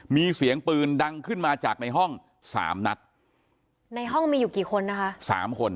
มีเสียงปืนดังขึ้นมาจากในห้องสามนัดในห้องมีอยู่กี่คนนะคะสามคน